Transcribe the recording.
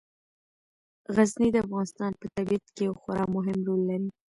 غزني د افغانستان په طبیعت کې یو خورا مهم رول لري.